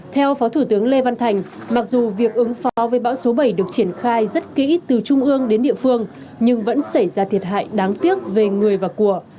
theo phó thủ tướng lê văn thành mặc dù việc ứng phó với bão số bảy được triển khai rất kỹ từ trung ương đến địa phương nhưng vẫn xảy ra thiệt hại đáng tiếc về người và của